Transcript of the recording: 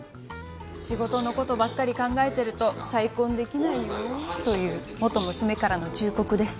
仕事の事ばっかり考えてると再婚できないよ。という元娘からの忠告です。